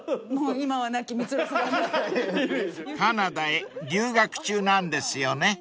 ［カナダへ留学中なんですよね］